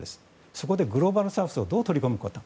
そこで、グローバルサウスをどう取り込むかと。